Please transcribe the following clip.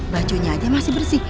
bajunya aja masih bersih